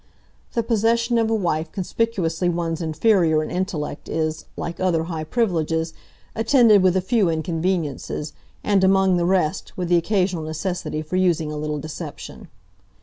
The possession of a wife conspicuously one's inferior in intellect is, like other high privileges, attended with a few inconveniences, and, among the rest, with the occasional necessity for using a little deception.